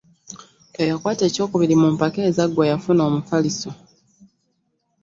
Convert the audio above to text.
Eyakwata ekyokubiri mu mpaka ezaggwa yafuna mufaliso.